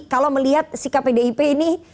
kalau melihat si kpdip ini